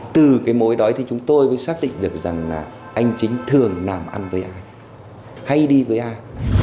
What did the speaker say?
từ cái mối đó thì chúng tôi mới xác định được rằng là anh chính thường làm ăn với ai hay đi với ai